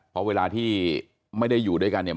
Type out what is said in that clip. เพราะเวลาที่ไม่ได้อยู่ด้วยกันเนี่ย